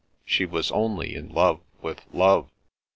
She was only in love with love."